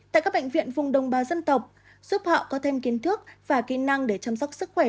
tại các bệnh viện vùng đồng bào dân tộc giúp họ có thêm kiến thức và kỹ năng để chăm sóc sức khỏe